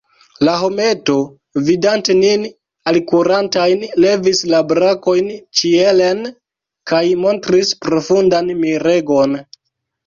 La hometo, vidante nin alkurantajn, levis la brakojn ĉielen, kaj montris profundan miregon.